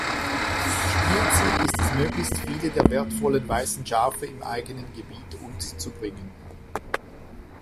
Spielziel ist es möglichst viele der wertvollen weißen Schafe im eigenen Gebiet unterzubringen.